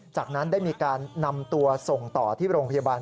จากนั้นได้มีการนำตัวส่งต่อที่โรงพยาบาล